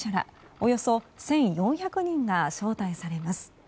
およそ１４００人が招待されます。